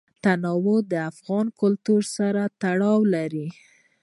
تنوع د افغان کلتور سره تړاو لري.